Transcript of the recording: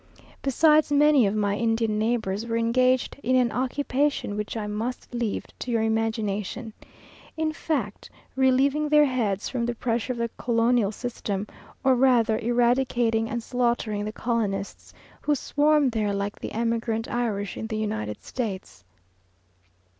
Besides, many of my Indian neighbours were engaged in an occupation which I must leave to your imagination; in fact, relieving their heads from the pressure of the colonial system, or rather, eradicating and slaughtering the colonists, who swarm there like the emigrant Irish in the United States.